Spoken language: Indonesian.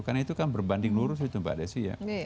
karena itu kan berbanding lurus itu mbak desi ya